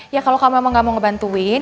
ya kalau kamu emang gak mau ngebantuin